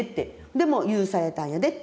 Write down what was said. でも許されたんやでって。